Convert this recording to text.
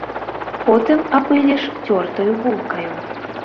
Потым апыліш цёртаю булкаю.